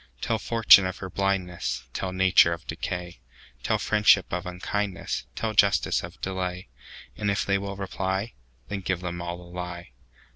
Tell fortune of her blindness; Tell nature of decay; Tell friendship of unkindness; Tell justice of delay; And if they will reply, Then give them all the lie.